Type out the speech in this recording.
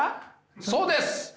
そうです！